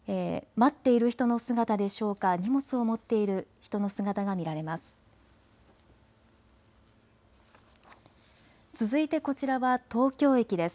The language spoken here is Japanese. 待っている人の姿でしょうか、荷物を持っている人の姿が見られます。